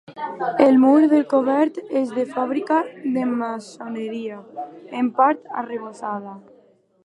El mur del cobert és de fàbrica de maçoneria, en part arrebossada.